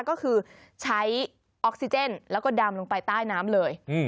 ก็คือใช้ออกซิเจนแล้วก็ดำลงไปใต้น้ำเลย